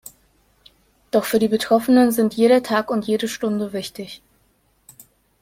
Doch für die Betroffenen sind jeder Tag und jede Stunde wichtig.